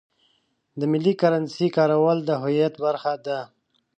د ملي کرنسۍ کارول د هویت برخه ده.